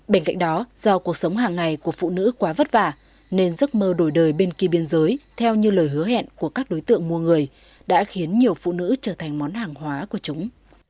bên cạnh đó do cuộc sống hàng ngày của phụ nữ quá vất vả nên giấc mơ đổi đời bên kia biên giới theo như lời hứa hẹn của các đối tượng mua người đã khiến nhiều phụ nữ trở thành món hàng hóa của chúng